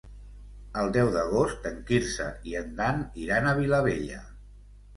El deu d'agost en Quirze i en Dan iran a Vilabella.